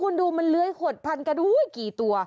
แล้วคุณดูมันเลื้อยหดพันกระดูกกี่ตัว